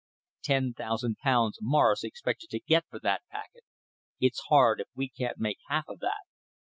Ten thousand pounds Morris expected to get for that packet. It's hard if we can't make half of that."